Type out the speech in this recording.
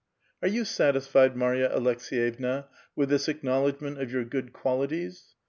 Are you satisfied, Marya Aleks6yevna, with this acknowl edgment of your good qualities?